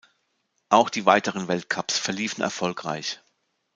Auch die weiteren Weltcups verliefen erfolgreich.